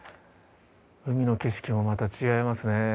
海の景色もまた違いますね。